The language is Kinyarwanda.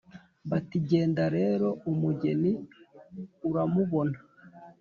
biti: "genda rero umugeni uramubona."